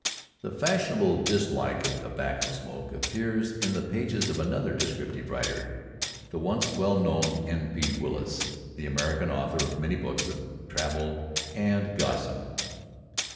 The fashionable dislike of tobacco smoke appears in the pages of another descriptive writer the once well known N.P. Willis, the American author of many books of travel and gossip.